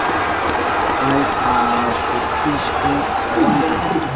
Pay asutishka wawanta.